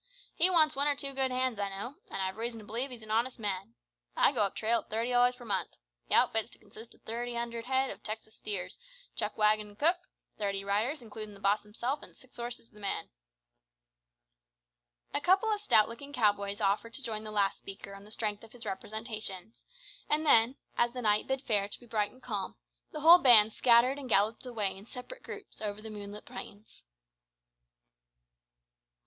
He wants one or two good hands I know, an' I've reason to believe he's an honest man. I go up trail at thirty dollars per month. The outfit's to consist of thirty hundred head of Texas steers, a chuck wagon and cook, with thirty riders includin' the boss himself an' six horses to the man." A couple of stout looking cow boys offered to join the last speaker on the strength of his representations, and then, as the night bid fair to be bright and calm, the whole band scattered and galloped away in separate groups over the moonlit plains.